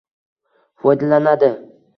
foydalanadi.